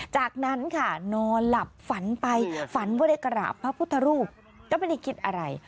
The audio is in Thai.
จากนั้นค่ะนอนหลับฝันไปฝันว่าได้กราบพระพุทธรูปก็ไม่ได้คิดอะไร